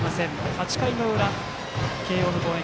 ８回の裏、慶応の攻撃。